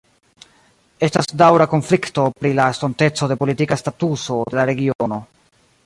Estas daŭra konflikto pri la estonteco de politika statuso de la regiono.